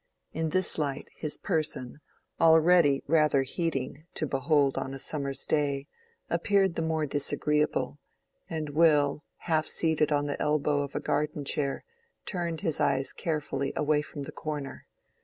In this light his person, already rather heating to behold on a summer's day, appeared the more disagreeable; and Will, half seated on the elbow of a garden chair, turned his eyes carefully away from the comer.